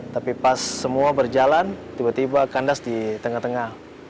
tapi pas semua berjalan tiba tiba kandas di tengah tengah